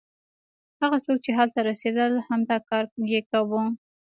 هغه څوک چې هلته رسېدل همدا کار یې کاوه.